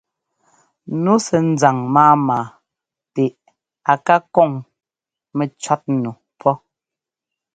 Nu sɛ́ ńzaŋ máama tɛ a ká kɔŋ mɛcɔ̌tnu pɔ́́.